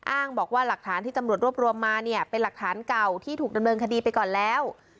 อ้างบอกว่าหลักฐานที่ตำรวจรวบรวมมาเนี่ยเป็นหลักฐานเก่าที่ถูกดำเนินคดีไปก่อนแล้ว